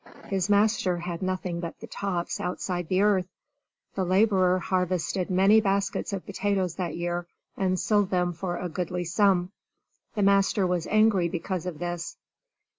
His master had nothing but the tops outside the earth. The laborer harvested many baskets of potatoes that year and sold them for a goodly sum. The master was angry because of this.